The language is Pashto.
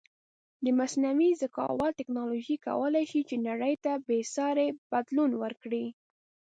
د مصنوعې زکاوت ټکنالوژی کولی شې چې نړی ته بیساری بدلون ورکړې